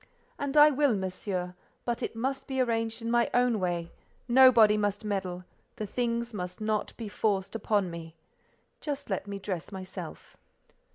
"And I will, Monsieur; but it must be arranged in my own way: nobody must meddle; the things must not be forced upon me. Just let me dress myself."